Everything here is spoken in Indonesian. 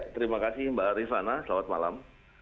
terima kasih mbak rifana selamat malam